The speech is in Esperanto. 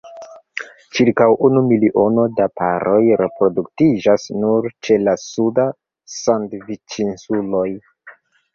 Ĉirkaŭ unu miliono da paroj reproduktiĝas nur ĉe la Sud-Sandviĉinsuloj.